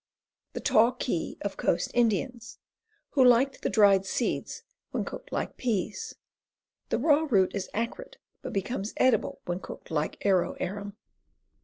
The Taw kee of coast Indians, who liked the dried seeds when cooked like peas. The raw root is acrid, but becomes edible when cooked like arrow arum.